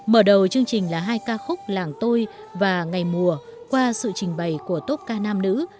mở đầu chương trình là hai ca khúc làng tôi và ngày mùa qua sự trình bày của tốt ca nam nữ